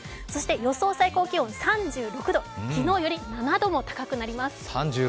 予想最高気温３６度、昨日より７度も高くなります。